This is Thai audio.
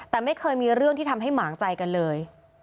แต่ไม่เคยมีเรื่องที่ทำให้หมางใจกันเลย